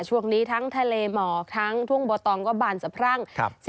ช่วงนี้ทั้งทะเลหมอกทั้งทุ่งบัวตองก็บานสะพรั่ง